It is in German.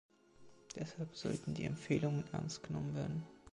Deshalb sollten die Empfehlungen ernst genommen werden.